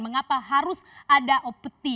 mengapa harus ada opti